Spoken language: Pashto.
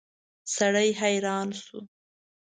سړی حیران شو.